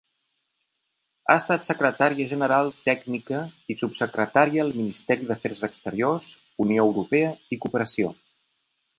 Ha estat secretària general tècnica i Subsecretaria al Ministeri d'Afers Exteriors, Unió Europea i Cooperació.